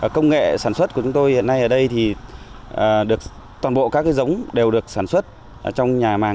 công nghệ sản xuất của chúng tôi hiện nay ở đây toàn bộ các giống đều được sản xuất trong nhà màng